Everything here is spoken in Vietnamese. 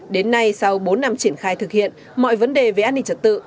đến nay sau bốn năm triển khai thực hiện mọi vấn đề về an ninh trật tự